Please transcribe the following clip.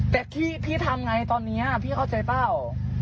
แต่พี่ทำไงตอนนี้พี่เข้าใจเปล่า